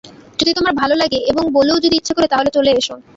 যদি তোমার ভাল লাগে এবং বুলও যদি ইচ্ছা করেন, তা হলে চলে এস।